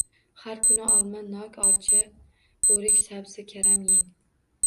Har kuni olma, nok, olcha, o'rik, sabzi, karam yeng.